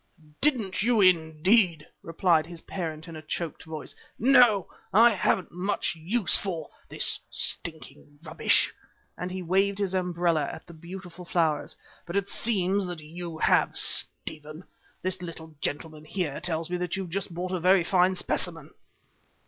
"Didn't you, indeed!" replied his parent in a choked voice. "No, I haven't much use for this stinking rubbish," and he waved his umbrella at the beautiful flowers. "But it seems that you have, Stephen. This little gentlemen here tells me you have just bought a very fine specimen."